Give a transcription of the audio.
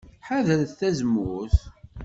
Ḥadret tazemmurt.